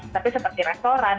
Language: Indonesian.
tapi seperti restoran